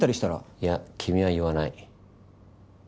いや、君は言わない。